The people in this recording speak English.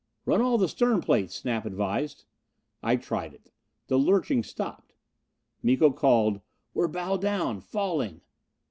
"Run all the stern plates," Snap advised. I tried it. The lurching stopped. Miko called. "We're bow down. Falling!"